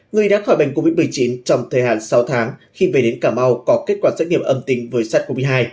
người đã khỏi bệnh covid một mươi chín trong thời hạn sáu tháng khi về đến cà mau có kết quả xét nghiệm âm tính với sars cov hai